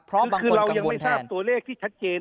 ก็พร้อมบางคนกังวลแทน